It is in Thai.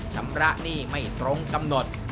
ชำระหนี้ไม่ตรงกำหนด